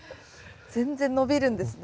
全然伸びるんですね。